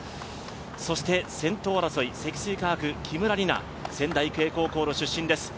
そして先頭争い、積水化学、木村梨七、仙台育英高校の出身です。